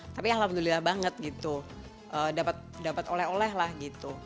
tapi alhamdulillah banget gitu dapat oleh oleh lah gitu